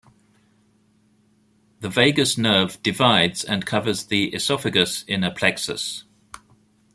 The vagus nerve divides and covers the esophagus in a plexus.